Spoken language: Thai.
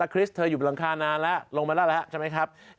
คริสเธออยู่บนหลังคานานแล้วลงมาแล้วแล้วใช่ไหมครับ